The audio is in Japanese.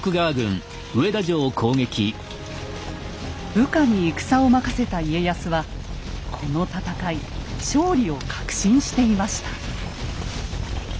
部下に戦を任せた家康はこの戦い勝利を確信していました。